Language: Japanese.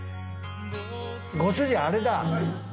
ご主人あれだ。